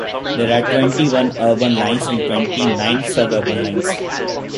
There are twenty-one urban lines and twenty-nine suburban lines.